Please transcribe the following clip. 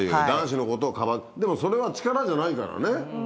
男子のことをかばっでもそれは力じゃないからね。